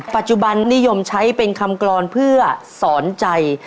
ปัจจุบันนิยมใช้เป็นคำกรอนเพื่อสอนใจ